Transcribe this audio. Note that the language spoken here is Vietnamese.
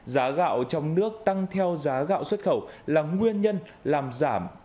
giá gạo trong nước tăng theo giá gạo xuất khẩu là nguyên nhân làm giảm